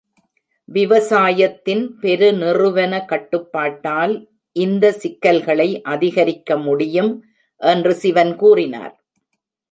விவசாயத்தின் பெருநிறுவன கட்டுப்பாட்டால்.இந்த சிக்கல்களை அதிகரிக்க முடியும் என்று சிவன் கூறினார்.